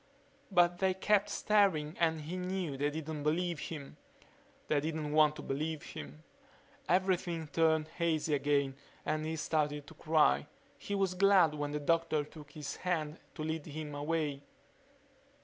But they kept staring and he knew they didn't believe him. They didn't want to believe him ... Everything turned hazy again and he started to cry. He was glad when the doctor took his hand to lead him away